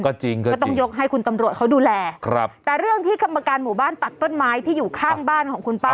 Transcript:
ก็จริงก็ต้องยกให้คุณตำรวจเขาดูแลครับแต่เรื่องที่กรรมการหมู่บ้านตัดต้นไม้ที่อยู่ข้างบ้านของคุณป้า